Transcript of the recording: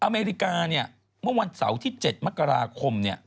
อเมริกาเมื่อวันเสาร์ที่๗มกราคม